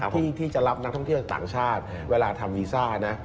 ที่จะรับนักท่องเที่ยวต่างชาติเวลาทำวีซ่านะ